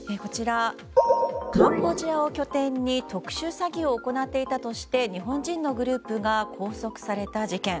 カンボジアを拠点に特殊詐欺を行っていたとして日本人のグループが拘束された事件。